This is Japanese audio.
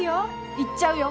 行っちゃうよ。